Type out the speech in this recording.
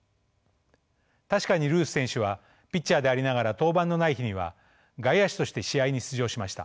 確かにルース選手はピッチャーでありながら登板のない日には外野手として試合に出場しました。